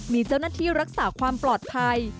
มีเจ้าหน้าที่รักษาความปลอดภัย